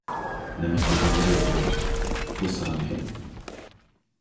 — نېمە قىلغانلىرى بۇ. پۇل سارىڭى!